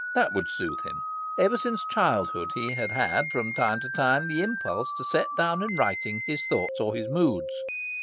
That would soothe him. Ever since childhood he had had, from time to time, the impulse to set down in writing his thoughts or his moods.